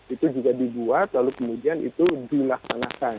itu juga dibuat lalu kemudian itu dilaksanakan